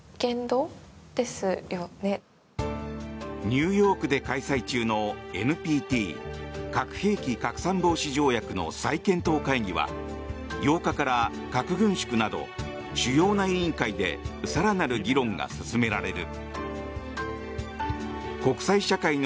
ニューヨークで開催中のＮＰＴ・核拡散防止条約の再検討会議は８日から核軍縮など主要な委員会で更なる議論が進められる。